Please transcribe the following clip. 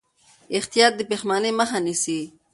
احتیاط د پښېمانۍ مخه نیسي.